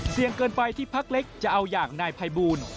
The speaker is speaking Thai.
เกินไปที่พักเล็กจะเอาอย่างนายภัยบูล